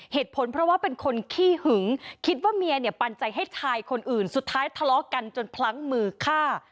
เหตุผลเพราะว่าเป็นคนขี้หึงคิดว่าเมียเนี่ยปันใจให้ชายคนอื่นสุดท้ายทะเลาะกันจนพลั้งมือฆ่า